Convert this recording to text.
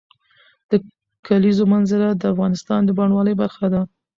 د کلیزو منظره د افغانستان د بڼوالۍ برخه ده.